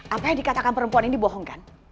apa yang dikatakan perempuan ini bohong kan